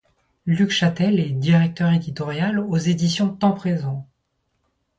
Luc Chatel est directeur éditorial aux éditions Temps Présent.